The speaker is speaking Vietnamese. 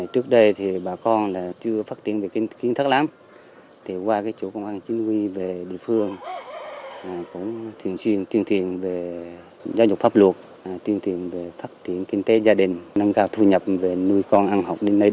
trước đây bà con trong thôn thường rủ nhau vào rừng khai thác khoáng trái phép